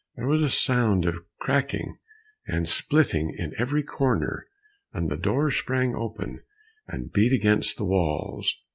There was a sound of cracking and splitting in every corner, and the doors sprang open, and beat against the walls.